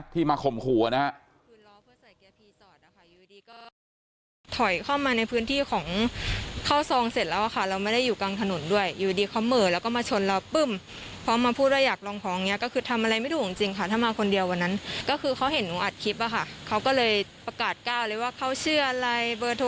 ที่มาขมขู่นะครับ